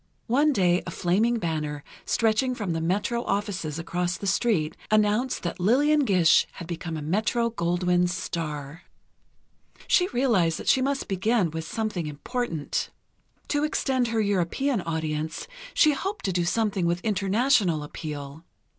One day a flaming banner, stretching from the Metro offices across the street, announced that Lillian Gish had become a Metro Goldwyn star. She realized that she must begin with something important. To extend her European audience, she hoped to do something with international appeal.